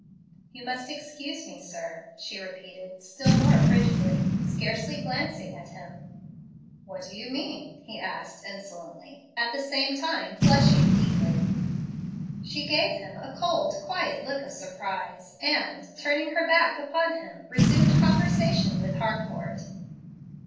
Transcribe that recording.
"You must excuse me, sir," she repeated still more frigidly, scarcely glancing at him. "What do you mean?" he asked insolently, at the same time flushing deeply. She gave him a cold, quiet look of surprise, and, turning her back upon him, resumed conversation with Harcourt.